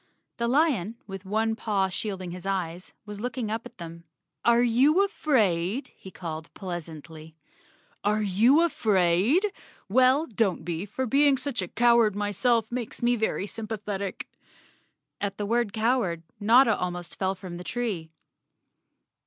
The lion, with one paw shading his eyes, was looking up at them. "Are you afraid?" he called pleasantly. "Are you afraid? Well, don't be, for being a coward myself makes me very sympathetic." At the word cow¬ ard Notta almost fell from the tree.